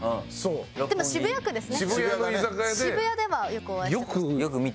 でも渋谷区ですね。